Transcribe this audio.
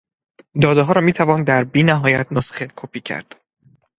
دادهها را میتوان در بی نهایت نسخه کپی کرد